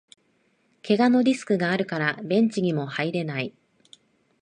けがのリスクがあるからベンチにも入れない